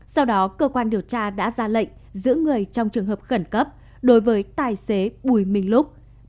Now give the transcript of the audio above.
sau đó cơ quan điều tra đã ra lệnh giữ người trong trường hợp khẩn cấp đối với tài xế bùi minh lúc